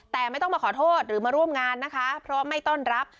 แต่ไม่ต้องมาขอโทษหรือมาร่วมงานนะคะเพราะไม่ต้อนรับ